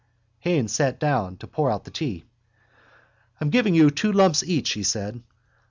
_ Haines sat down to pour out the tea. —I'm giving you two lumps each, he said.